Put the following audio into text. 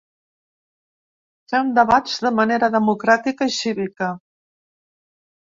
Fem debats de manera democràtica i cívica.